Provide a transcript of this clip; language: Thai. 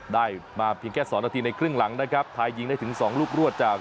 ได้มาเพียงแค่สองนาทีในครึ่งหลังนะครับไทยยิงได้ถึง๒ลูกรวดจาก